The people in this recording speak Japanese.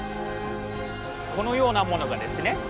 このようなものがですね